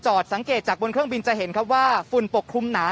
สังเกตจากบนเครื่องบินจะเห็นครับว่าฝุ่นปกคลุมหนา